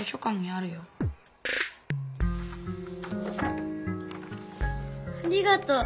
ありがとう。